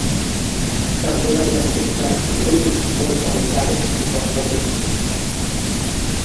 També va haver d'acceptar totes les decisions adoptades des del Tractat de fusió.